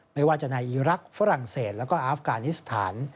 ไม่ว่าจะในอีรักษ์ฝรั่งเศสแล้วก็อาฟกานิสถาน